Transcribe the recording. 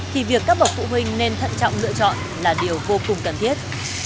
thì việc các bậc phụ huynh nên thận trọng lựa chọn là điều vô cùng cần thiết